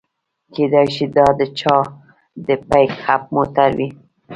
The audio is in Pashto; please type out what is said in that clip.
کیدای شي دا د چا د پیک اپ موټر وي